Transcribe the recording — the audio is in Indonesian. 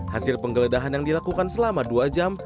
hasil penggeledahan yang dilakukan selama dua jam